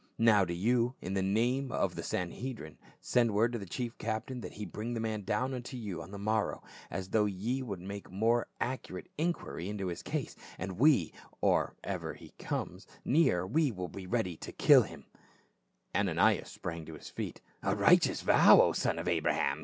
Now do you, in the name of the Sanhedrim, send word to the chief captain that he bring the man down unto you on the morrow, as though ye would make more .accurate inquiry into his case, and we, or ever he comes near, are ready to kill him." Ananias sprang to his feet. " A righteous vow, O son of Abraham